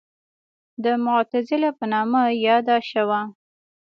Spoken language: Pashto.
د معتزله په نامه یاده شوه.